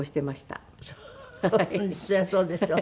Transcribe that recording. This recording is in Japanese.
そりゃそうでしょ。